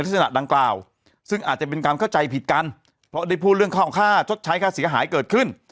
ลักษณะดังกล่าวซึ่งอาจจะเป็นการเข้าใจผิดกันเพราะได้พูดเรื่องของค่าชดใช้ค่าเสียหายเกิดขึ้น